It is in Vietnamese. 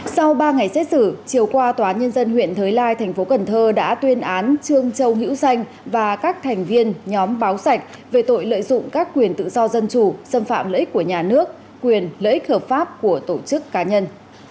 sau ba ngày xét xử chiều qua tòa nhân dân huyện thới lai thành phố cần thơ đã tuyên án trương châu hữu danh và các thành viên nhóm báo sạch về tội lợi dụng các quyền tự do dân chủ xâm phạm lợi ích của nhà nước quyền lợi ích hợp pháp của tổ chức cá nhân